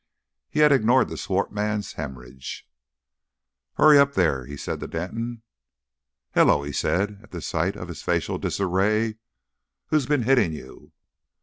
He had ignored the swart man's hæmorrhage. "Hurry up there!" he said to Denton. "Hello!" he said, at the sight of his facial disarray. "Who's been hitting you?"